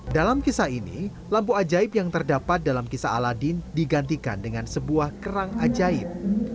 dalam kisah ini lampu ajaib yang terdapat dalam kisah aladin digantikan dengan sebuah kerang ajaib